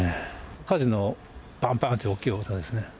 火事のぱんぱんっていう大きい音ですね。